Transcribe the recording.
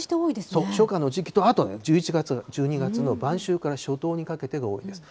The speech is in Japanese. そう、初夏の時期と、あと１１月、１２月の晩秋から初冬にかけてが多いです。